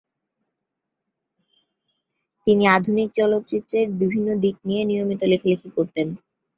তিনি আধুনিক চলচ্চিত্রের বিভিন্ন দিক নিয়ে নিয়মিত লেখালেখি করতেন।